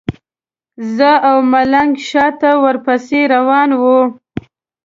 زه او ملنګ شاته ورپسې روان وو.